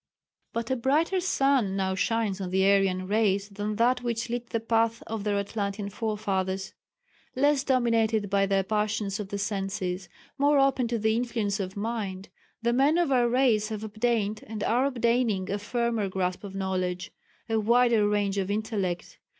But a brighter sun now shines on the Aryan race than that which lit the path of their Atlantean forefathers. Less dominated by the passions of the senses, more open to the influence of mind, the men of our race have obtained, and are obtaining, a firmer grasp of knowledge, a wider range of intellect.